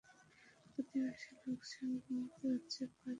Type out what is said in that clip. প্রতি মাসে লোকসান গুনতে হচ্ছে পাঁচ থেকে সাত লাখ টাকা করে।